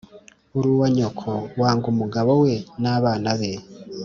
Uri uwa nyoko wanga umugabo we n’abana be